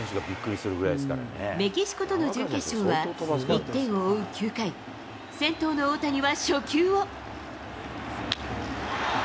メキシコとの準決勝は、１点を追う９回、先頭の大谷は初球を。